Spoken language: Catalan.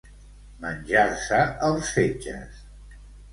Menjar-se els fetges.